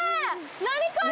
何これ！